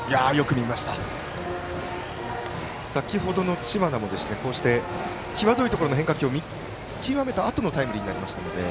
先ほどの知花も際どいところの変化球を見極めたあとのタイムリーになりましたので。